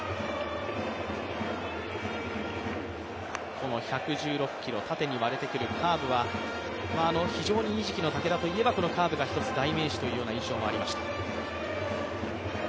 この１１６キロ、縦に割れてくるカーブは非常にいい時期の武田といえばこのカーブが一つ代名詞という印象がありました。